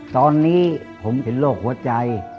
ตอนนี้ผมเป็นโรคหัวใจ